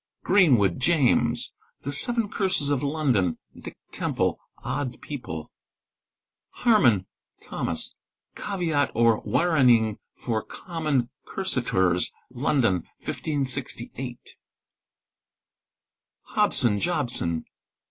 Greenwood (James).—The Seven Curses of London.—Dick Teraple. Odd People. | Harman (Thomas).—Caveat or Warening for Common Cursetors. London, 1568. iol Hobson Jobson.